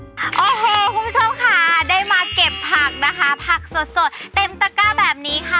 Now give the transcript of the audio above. โอ้โหคุณผู้ชมค่ะได้มาเก็บผักนะคะผักสดเต็มตะก้าแบบนี้ค่ะ